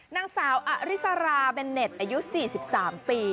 นางสาวอริสราเบนเน็ตอายุ๔๓ปี